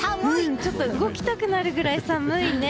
ちょっと動きたくなるぐらい寒いね。